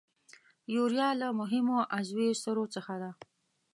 یوریا له مهمو عضوي سرو څخه ده.